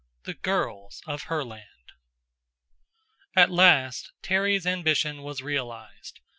The Girls of Herland At last Terry's ambition was realized.